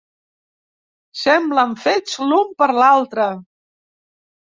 Semblen fets l'un per a l'altre.